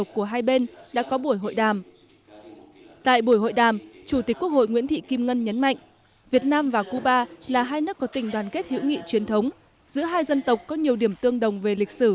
chủ tịch quốc hội nguyễn thị kim ngân chủ trì buổi lễ